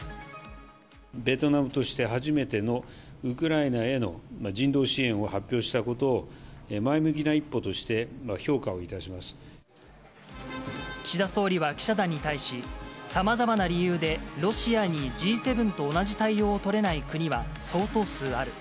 ベトナムとして初めてのウクライナへの人道支援を発表したことを、前向きな一歩として評価を岸田総理は記者団に対し、さまざまな理由でロシアにＧ７と同じ対応を取れない国は相当数ある。